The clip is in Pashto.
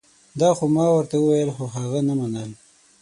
دا خو ما ورته وویل خو هغه نه منل